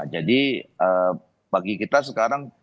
jadi bagi kita sekarang